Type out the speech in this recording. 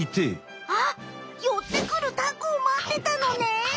あっよってくるタコをまってたのね！